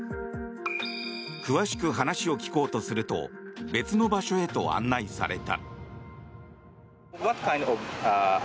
詳しく話を聞こうとすると別の場所へと案内された。